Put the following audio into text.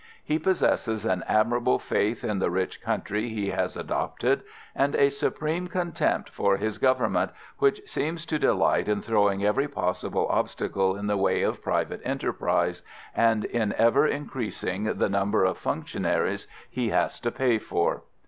He possesses an admirable faith in the rich country he has adopted, and a supreme contempt for his government, which seems to delight in throwing every possible obstacle in the way of private enterprise, and in ever increasing the number of functionaries he has to pay for.